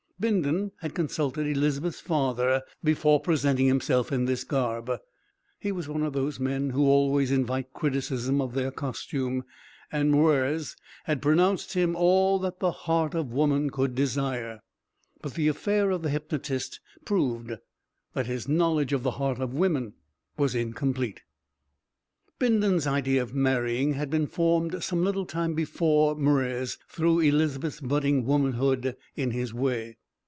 Bindon had consulted Elizabeth's father before presenting himself in this garb he was one of those men who always invite criticism of their costume and Mwres had pronounced him all that the heart of woman could desire. But the affair of the hypnotist proved that his knowledge of the heart of woman was incomplete. Bindon's idea of marrying had been formed some little time before Mwres threw Elizabeth's budding womanhood in his way.